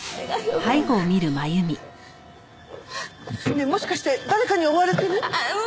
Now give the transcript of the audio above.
ねえもしかして誰かに追われてる？